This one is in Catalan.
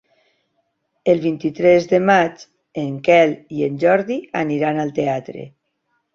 El vint-i-tres de maig en Quel i en Jordi aniran al teatre.